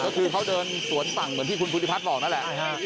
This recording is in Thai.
ก็คือเขาเดินสวนฝั่งเหมือนที่คุณพุทธิพัฒน์บอกนั่นแหละ